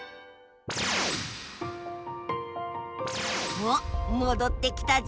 おっもどってきたぞ。